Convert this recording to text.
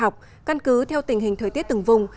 căn cứ theo tình hình thời tiết từng vùng